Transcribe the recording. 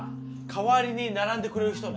代わりに並んでくれる人ね。